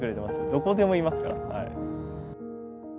どこでもいますから。